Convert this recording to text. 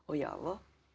oh ya allah